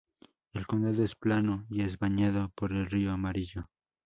El condado es plano y es bañado por el Río Amarillo.